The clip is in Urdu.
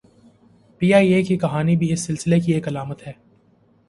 پی آئی اے کی کہانی بھی اس سلسلے کی ایک علامت ہے۔